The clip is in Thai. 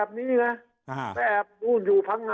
คราวนี้เจ้าหน้าที่ป่าไม้รับรองแนวเนี่ยจะต้องเป็นหนังสือจากอธิบดี